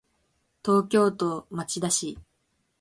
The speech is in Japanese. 東京都町田市